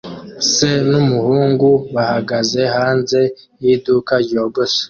Se n'umuhungu bahagaze hanze y'iduka ryogosha